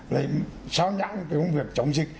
lấy sao nhãn cái công việc chống dịch